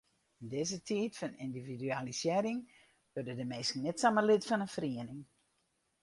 Yn dizze tiid fan yndividualisearring wurde de minsken net samar lid fan in feriening.